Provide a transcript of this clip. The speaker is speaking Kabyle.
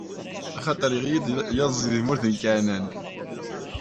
Axaṭer iɣli-d laẓ di tmurt n Kanɛan.